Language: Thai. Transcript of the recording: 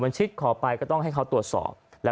มันชิดขอไปก็ต้องให้เขาตรวจสอบ